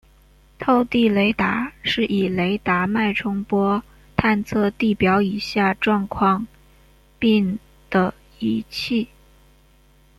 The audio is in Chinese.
透地雷达是以雷达脉冲波探测地表以下状况并的仪器。